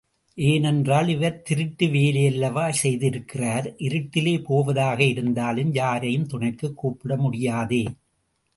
ஏனென்றால் இவர் திருட்டு வேலையல்லவா செய்திருக்கிறார் இருட்டிலே போவதாக இருந்தாலும் யாரையும் துணைக்குக் கூப்பிட முடியாதே!